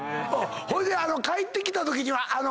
ほいで帰ってきたときには。